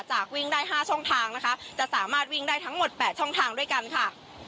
จากวิ่งได้๕ช่องทางนะคะจะสามารถวิ่งได้ทั้งหมด๘ช่องทางด้วยกันค่ะ